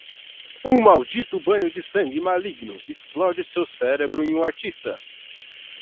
Um maldito banho de sangue maligno explode seu cérebro em um artista.